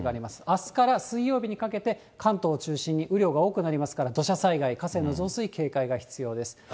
あすから水曜日にかけて、関東を中心に雨量が多くなりますから、土砂災害、河川の増水、警戒が必要です。